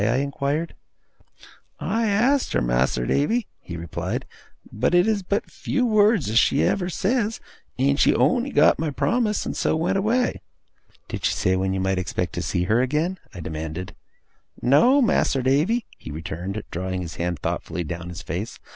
I inquired. 'I asked her, Mas'r Davy,' he replied, 'but it is but few words as she ever says, and she on'y got my promise and so went away.' 'Did she say when you might expect to see her again?' I demanded. 'No, Mas'r Davy,' he returned, drawing his hand thoughtfully down his face.